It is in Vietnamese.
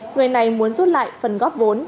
người này muốn rút lại phần góp vốn